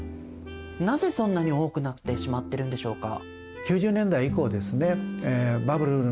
なぜそんなに多くなってしまってるんでしょうか？